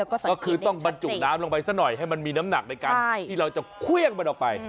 ก็คือต้องบรรจุน้ำลงไปซะหน่อยให้มันมีน้ำหนักในการที่เราจะเครื่องมันออกไป